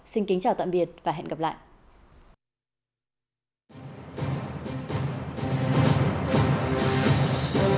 xin kính chào tạm biệt và hẹn gặp lại